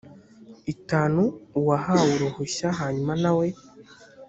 itanu uwahawe uruhushya hanyuma na we